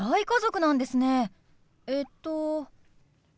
えっと？